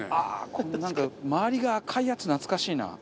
このなんか周りが赤いやつ懐かしいな。